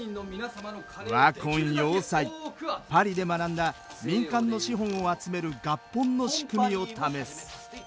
パリで学んだ民間の資本を集める合本の仕組みを試す。